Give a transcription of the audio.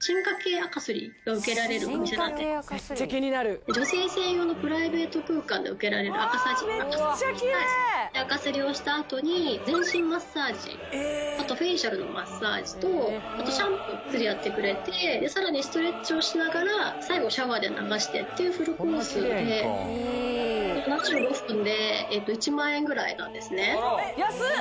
アカスリが受けられる感じなんで女性専用のプライベート空間で受けられるアカスリとマッサージアカスリをしたあとに全身マッサージあとフェイシャルのマッサージとあとシャンプーやってくれてさらにストレッチをしながら最後シャワーで流してっていうフルコースで７５分で１万円ぐらいなんですね安っ！